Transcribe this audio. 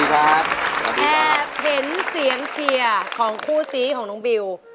เห็นเสียงเชียร์ของคู่ซีของน้องบิว